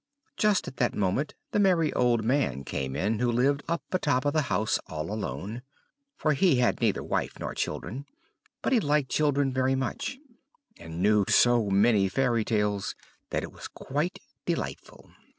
Just at that moment the merry old man came in who lived up a top of the house all alone; for he had neither wife nor children but he liked children very much, and knew so many fairy tales, that it was quite delightful.